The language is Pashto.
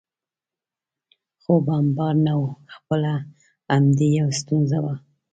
خو بمبار نه و، خپله همدې یو ستونزه وه.